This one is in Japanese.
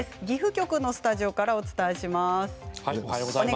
岐阜局のスタジオからお伝えします。